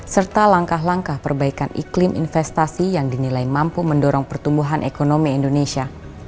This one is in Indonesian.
serta langkah langkah perbaikan iklim investasi yang dinilai mampu mendorong pertumbuhan ekonomi indonesia